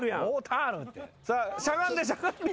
しゃがんでしゃがんで。